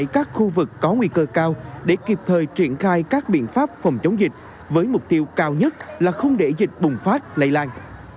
các khu vực có nguy cơ cao để kịp thời triển khai các biện pháp phòng chống dịch với mục tiêu cao nhất là không để dịch bùng phát lây lan